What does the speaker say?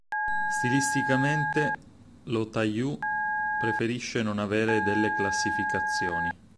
Stilisticamente, Lo Ta-yu preferisce non avere delle classificazioni.